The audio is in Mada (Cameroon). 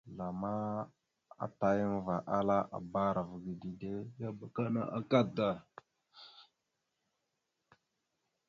Zlama atayaŋva ala: « Bba arav ge dide ya abakana akada, ».